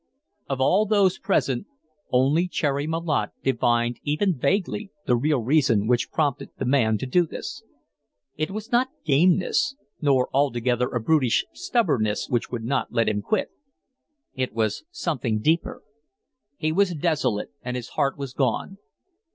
Of all those present only Cherry Malotte divined even vaguely the real reason which prompted the man to do this. It was not "gameness," nor altogether a brutish stubbornness which would not let him quit, It was something deeper. He was desolate and his heart was gone.